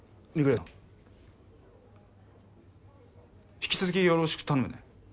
引き続きよろしく頼むね。